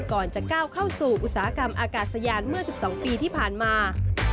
ก่อนจะก้าวเข้าสู่อุตสาหกรรมอากาศยานเมื่อ๑๒ปีที่ผ่านมา